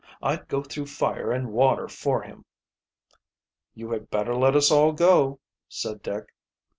"I'd go through fire and water for him." "You had better let us all go," said Dick.